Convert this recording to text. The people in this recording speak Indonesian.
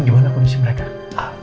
ren gimana kondisi mereka